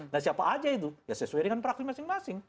nah siapa aja itu ya sesuai dengan praksi masing masing